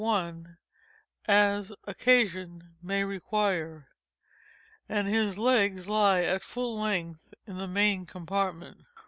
I, as occasion may require,) and his legs lie at full length in the main compartment.